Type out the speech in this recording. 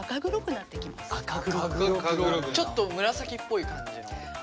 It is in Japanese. ちょっと紫っぽい感じの？